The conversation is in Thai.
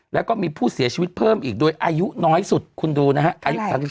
แล้วก็มีผู้เสียชีวิตเพิ่มอีกโดยอายุน้อยสุดคุณดูนะฮะอายุ๓๒